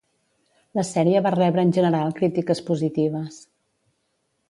La sèrie va rebre en general crítiques positives.